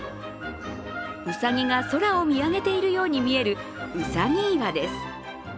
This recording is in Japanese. うさぎが空を見上げているように見えるうさぎ岩です。